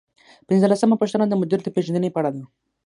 پنځلسمه پوښتنه د مدیر د پیژندنې په اړه ده.